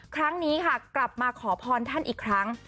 ครั้งนี้ค่ะกลับมาขอพรท่านอีกครั้ง